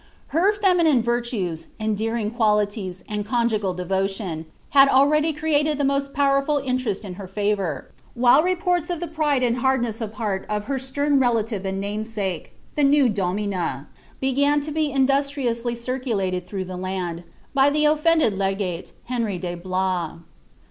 Her feminine virtues, endearing qualities, and conjugal ilevolMin, h*i already created the most powerful interest in her favour ; while rrpum of tite pride and hardness of heart of her stern relative and iiaineMlu, the new domina, began to be industriously circulated through ilie load, by the ofieiided legate, Henry de Blois.